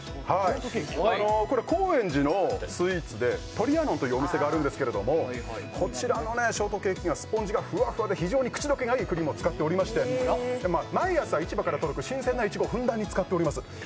高円寺のスイーツで、トリアノンというお店があるんですけども、こちらのショートケーキがスポンジがふわふわで非常に口溶けがいいクリームを使っておりまして毎日市場から届く新鮮ないちごをふんだんに使っております。